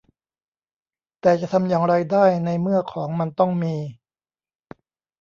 แต่จะทำอย่างไรได้ในเมื่อของมันต้องมี